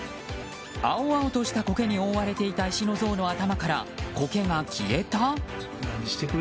青々としたコケに覆われていた石の像の頭からコケが消えた？